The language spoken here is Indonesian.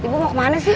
ibu mau kemana sih